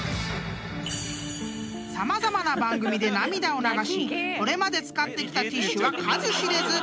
［様々な番組で涙を流しこれまで使ってきたティッシュは数知れず］